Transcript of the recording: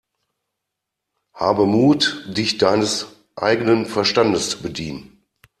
Habe Mut, dich deines eigenen Verstandes zu bedienen!